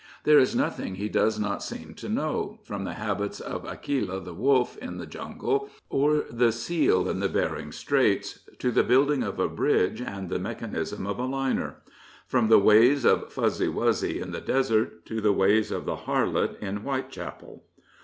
There is nothing he does not seem to know, from the habits of Akela the wolf in the jungle or the seal in the Behring Straits to the building of a bridge and the mechanism of a liner; from the ways of Fuzzy Wuzzy in the desert to the ways of the harlot in White chapel.